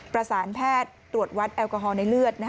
ประสานแพทย์ตรวจวัดแอลกอฮอลในเลือด